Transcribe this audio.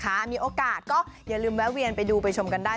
ถ้ามีโอกาสก็อย่าลืมแวะเวียนไปดูไปชมกันได้